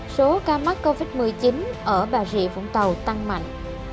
số ca mắc covid một mươi chín ở bà rịa vũng tàu tăng mạnh